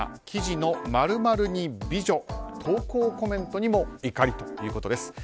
記事の○○似美女投稿コメントにも怒りということです。